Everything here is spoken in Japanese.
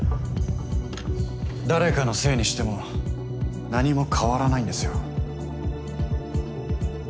誰かのせいにしても何も変わらないんですよ。